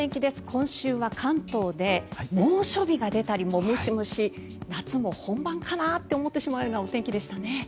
今週は関東で猛暑日が出たりムシムシ、夏も本番かなと思ってしまうようなお天気でしたね。